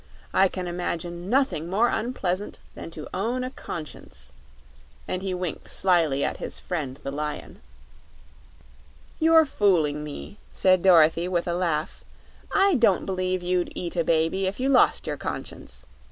"I can imagine nothing more unpleasant than to own a Conscience," and he winked slyly at his friend the Lion. "You're fooling me!" said Dorothy, with a laugh. "I don't b'lieve you'd eat a baby if you lost your Conscience.